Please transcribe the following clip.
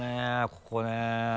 ここね。